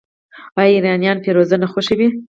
آیا ایرانیان فیروزه نه خوښوي؟